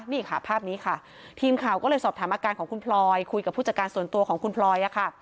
นี่ค่ะภาพนี้ค่ะทีมข่าวก็เลยสอบถามอาการของคุณพลอยคุยกับผู้จัดการส่วนตัวของคุณพลอยค่ะ